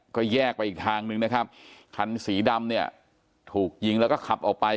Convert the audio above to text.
ก็แยกไปอีกทางนึงนะครับคันสีดำเนี่ยถูกยิงแล้วก็ขับออกไป